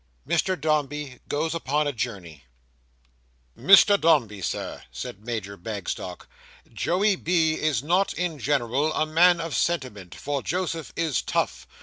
Mr Dombey goes upon a Journey Mr Dombey, Sir," said Major Bagstock, "Joey" B. is not in general a man of sentiment, for Joseph is tough.